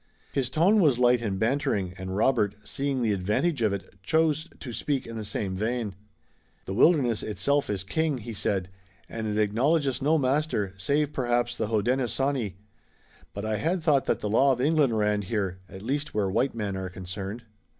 His tone was light and bantering and Robert, seeing the advantage of it, chose to speak in the same vein. "The wilderness itself is king," he said, "and it acknowledges no master, save perhaps the Hodenosaunee. But I had thought that the law of England ran here, at least where white men are concerned."